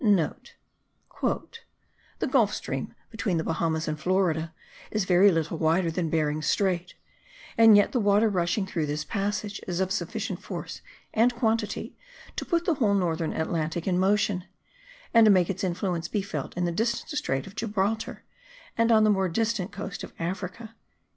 *(* "The Gulf stream, between the Bahamas and Florida, is very little wider than Behring's Strait; and yet the water rushing through this passage is of sufficient force and quantity to put the whole Northern Atlantic in motion, and to make its influence be felt in the distant strait of Gibraltar and on the more distant coast of Africa."